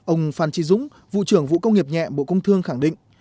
ông phan trí dũng vụ trưởng vụ công nghiệp nhẹ bộ công thương khẳng định